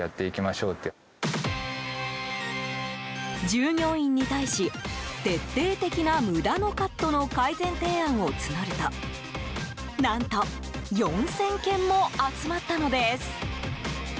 従業員に対し徹底的な無駄のカットの改善提案を募ると何と、４０００件も集まったのです。